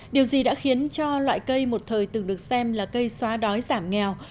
điều gì đã khiến cho loại cây một thời từng được xem là cây xóa đói giảm nghèo